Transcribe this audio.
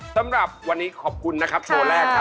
สำหรับวันนี้ขอบคุณนะครับโชว์แรกครับ